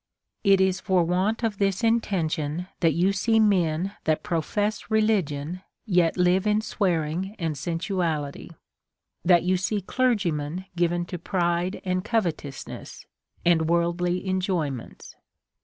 It is for want of this intention that you see men that profess religion yet live in swearing and sensuality ; that you see clergymen given to pride and covetousness, and worldly enjoy ments.